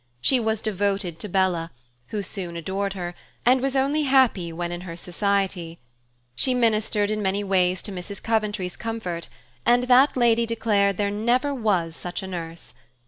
She was devoted to Bella, who soon adored her, and was only happy when in her society. She ministered in many ways to Mrs. Coventry's comfort, and that lady declared there never was such a nurse.